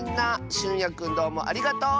しゅんやくんどうもありがとう！